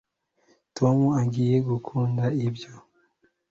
tom agiye gukunda ibyo